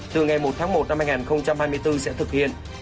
từ ngày một tháng một năm hai nghìn hai mươi bốn sẽ thực hiện